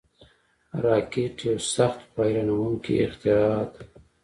راکټ یو سخت، خو حیرانوونکی اختراع ده